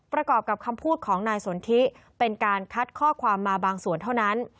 ประกอบกับคำพูดของนายสนทิเป็นการคัดข้อความมาบางส่วนเท่านั้น